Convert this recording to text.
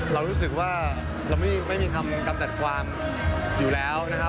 เรารู้สึกว่าเราไม่มีคำกำจัดความอยู่แล้วนะครับ